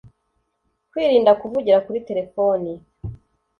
kwirinda kuvugira kuri telefoni